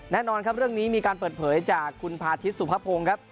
แน่นอนครับเรื่องนี้มีการเปิดเผยจากคุณพาทิศสุภพงศ์ครับ